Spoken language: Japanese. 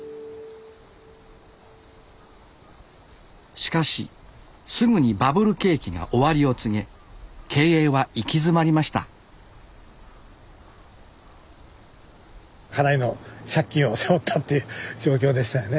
しかしすぐにバブル景気が終わりを告げ経営は行き詰まりましたかなりの借金を背負ったって状況でしたよね